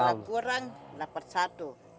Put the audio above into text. kalau kurang dapat satu